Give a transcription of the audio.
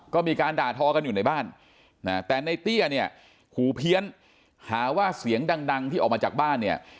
ก็มีการด่าทอกันอยู่ในบ้านแต่ในเตี้ยเนี่ยหูเพี้ยนหาว่าเสียงดังที่ออกมาจากบ้านเนี่ย